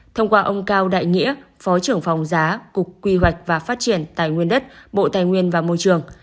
thông qua ông cao đại nghĩa phó trưởng phòng giá cục quy hoạch và phát triển tài nguyên đất bộ tài nguyên và môi trường